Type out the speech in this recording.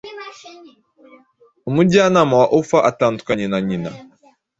Umujyanama wa Offa atandukanye nanyina